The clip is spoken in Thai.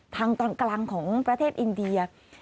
ทางตอนกลางของประเทศอินเดีย